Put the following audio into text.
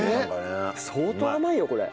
相当甘いよこれ。